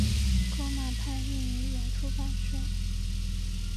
革马派运营有出版社。